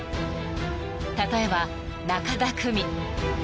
［例えば中田久美］